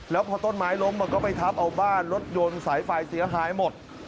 แล้วพอต้นไม้ล้มมันก็ไปทับเอาบ้านรถยนต์สายไฟเสียหายหมด